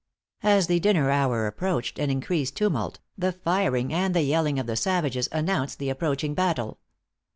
As the dinner hour approached, an increased tumult, the firing, and the yelling of the savages, announced the approaching battle.